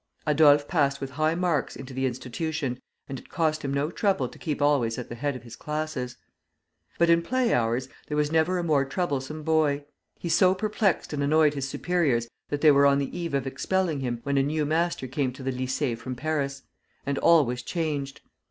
Adolphe passed with high marks into the institution, and it cost him no trouble to keep always at the head of his classes. But in play hours there was never a more troublesome boy. He so perplexed and annoyed his superiors that they were on the eve of expelling him, when a new master came to the lycée from Paris, and all was changed.